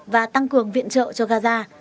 và tăng cường viện trợ cho gaza